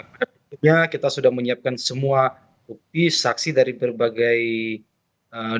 pada akhirnya kita sudah menyiapkan semua bukti saksi dari berbagai daerah